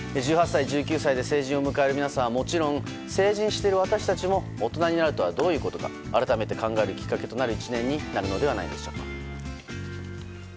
１８歳、１９歳で成人を迎える皆さんはもちろん成人している私たちも大人になるとはどういうことか改めて考えるきっかけとなる１年になるのではないでしょうか。